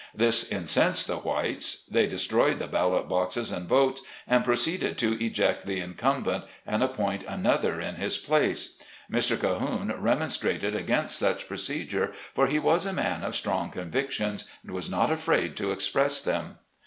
This incensed the whites ; they destroyed the ballot boxes and votes, and proceeded to eject the incumbent and appoint another in his place. Mr. Cahoone remonstrated against such procedure, for he was a man of strong convictions and was not afraid to express them.